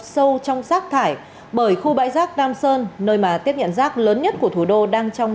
sâu trong rác thải bởi khu bãi rác nam sơn nơi mà tiếp nhận rác lớn nhất của thủ đô đang trong